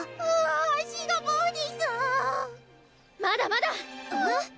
まだまだ！え